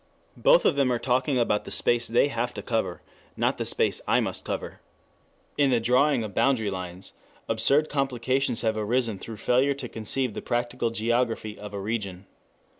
Both of them are talking about the space they have to cover, not the space I must cover. In the drawing of boundary lines absurd complications have arisen through failure to conceive the practical geography of a region.